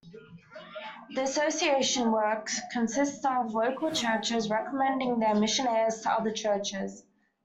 The association's work consists of local churches recommending their missionaries to other churches.